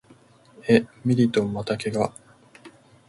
え、ミリトンまた怪我？